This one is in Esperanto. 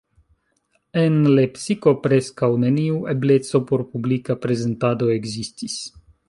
En Lepsiko preskaŭ neniu ebleco por publika prezentado ekzistis.